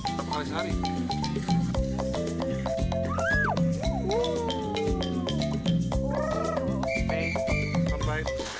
apa yang ada di sana